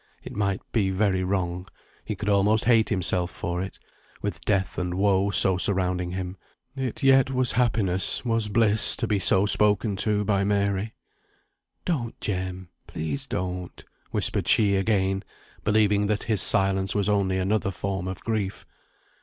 it might be very wrong; he could almost hate himself for it; with death and woe so surrounding him, it yet was happiness, was bliss, to be so spoken to by Mary. "Don't, Jem, please don't," whispered she again, believing that his silence was only another form of grief.